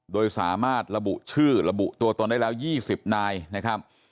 โดยสามารถระบุชื่อระบุตัวตนได้แล้ว๒๐นายนะครับ